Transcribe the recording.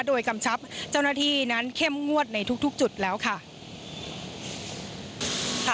โดยกำชับเจ้าหน้าที่นั้นเข้มงวดในทุกจุดแล้วค่ะ